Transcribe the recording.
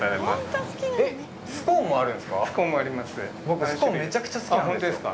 えっ、スコーンもあるんですか？